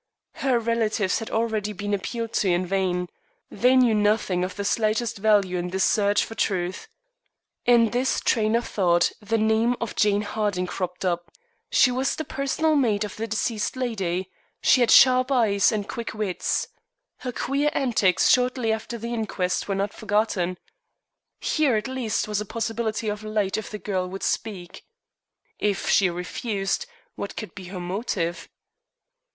Her relatives had already been appealed to in vain. They knew nothing of the slightest value in this search for truth. In this train of thought the name of Jane Harding cropped up. She was the personal maid of the deceased lady. She had sharp eyes and quick wits. Her queer antics shortly after the inquest were not forgotten. Here at least was a possibility of light if the girl would speak. If she refused what could be her motive?